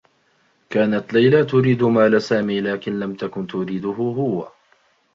كانت ليلى تريد مال سامي لكن لم تكن تريده هو.